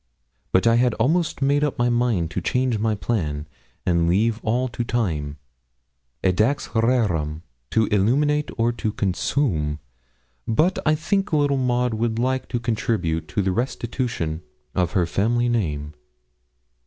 But I had almost made up my mind to change my plan, and leave all to time edax rerum to illuminate or to consume. But I think little Maud would like to contribute to the restitution of her family name.